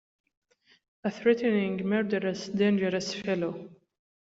A threatening, murderous, dangerous fellow.